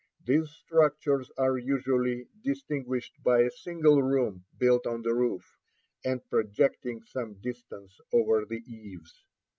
These structures are usually distinguished by a single room built on the roof, and projecting some distance over the eaves.